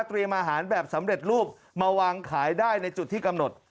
อาหารแบบสำเร็จรูปมาวางขายได้ในจุดที่กำหนด